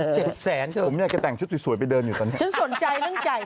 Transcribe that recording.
เจ็บแสนผมอยากจะแต่งชุดสวยไปเดินอยู่ตอนนี้